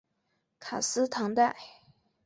卡斯唐代。